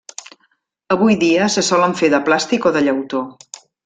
Avui dia se solen fer de plàstic o de llautó.